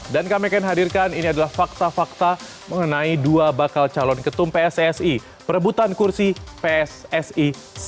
dan kami akan hadirkan ini adalah fakta fakta mengenai dua bakal calon ketum pssi perebutan kursi pssi satu